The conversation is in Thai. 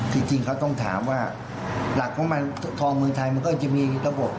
จริงเขาต้องถามว่าหลักของมันทองเมืองไทยมันก็จะมีระบบ